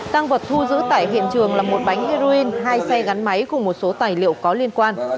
tăng vật thu giữ tại hiện trường là một bánh heroin hai xe gắn máy cùng một số tài liệu có liên quan